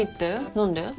何で？